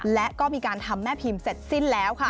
และก็มีการทำแม่พิมพ์เสร็จสิ้นแล้วค่ะ